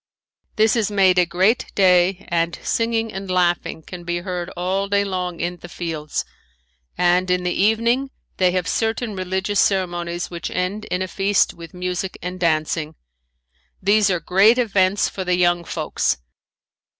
This is made a great day and singing and laughing can be heard all day long in the fields, and in the evening they have certain religious ceremonies which end in a feast with music and dancing. These are great events for the young folks.